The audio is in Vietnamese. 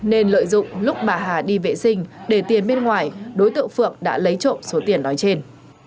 nên lợi dụng lúc bà hà đi vệ sinh để tiền bên ngoài đối tượng phượng đã lấy trộm số tiền đó trên